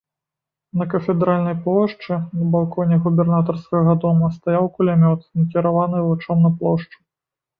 На кафедральнай плошчы, на балконе губернатарскага дома стаяў кулямёт, накіраваны лычом на плошчу.